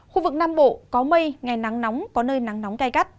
khu vực nam bộ có mây ngày nắng nóng có nơi nắng nóng cay cắt